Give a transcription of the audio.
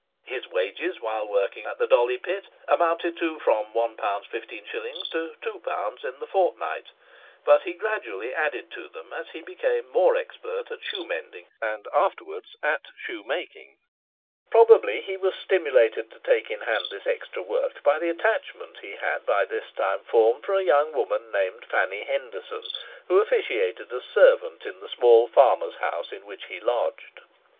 His wages while working at the Dolly Pit amounted to from £1 15s. to £2 in the fortnight; but he gradually added to them as he became more expert at shoe mending, and afterwards at shoe making. Probably he was stimulated to take in hand this extra work by the attachment he had by this time formed for a young woman named Fanny Henderson, who officiated as servant in the small farmer's house in which he lodged.